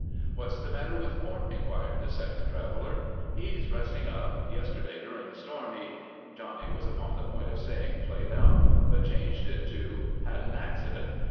"What's the matter with Mort?" inquired the second traveler. "He's resting up. Yesterday, during the storm he " Johnny was upon the point of saying "played out," but changed it to "had an accident.